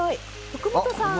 福本さん